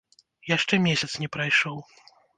Яшчэ месяц не прайшоў.